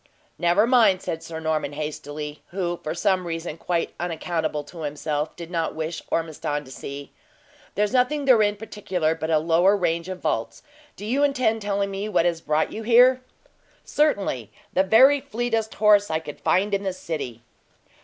"Never mind," said Sir Norman, hastily, who, for some reason quite unaccountable to himself, did not wish Ormiston to see. "There's nothing therein particular, but a lower range of vaults. Do you intend telling me what has brought you here?" "Certainly; the very fleetest horse I could find in the city."